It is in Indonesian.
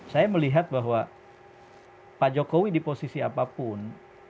saya melihat bahwa pak jokowi di posisi apapun